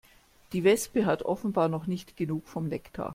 Die Wespe hat offenbar noch nicht genug vom Nektar.